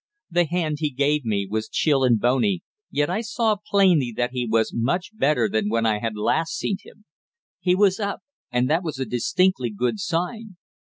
The hand he gave me was chill and bony, yet I saw plainly that he was much better than when I had last seen him. He was up, and that was a distinctly good sign.